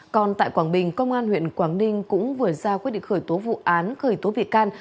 còn tại quảng bình công an huyện quảng ninh cũng vừa ra quyết định khởi tố vụ án khởi tố bị can